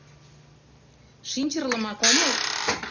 Шинчырлымак омыл.